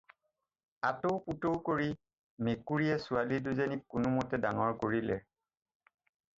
আতৌপুতৌ কৰি মেকুৰীয়ে ছোৱালী দুজনীক কোনোৰকমে ডাঙৰ কৰিলে।